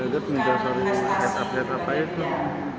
diperlukan investasi dan kegiatan